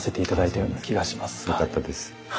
よかったです。